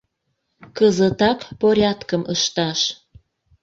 Кызытак порядкым ышташ!